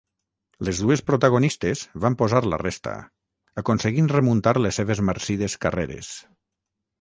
Les dues protagonistes van posar la resta, aconseguint remuntar les seves marcides carreres.